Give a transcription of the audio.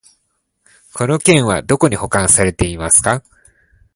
この件はどこに保管されてますか？